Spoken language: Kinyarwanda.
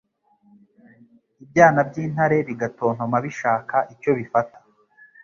ibyana by’intare bigatontoma bishaka icyo bifata